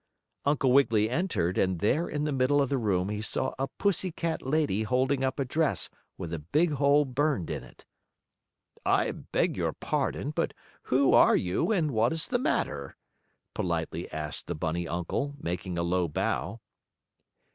Uncle Wiggily entered, and there in the middle of the room he saw a pussy cat lady holding up a dress with a big hole burned in it. "I beg your pardon, but who are you and what is the matter?" politely asked the bunny uncle, making a low bow.